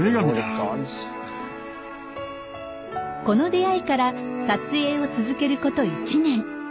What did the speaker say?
この出会いから撮影を続けること１年。